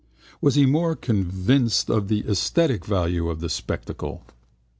Was he more convinced of the esthetic value of the spectacle?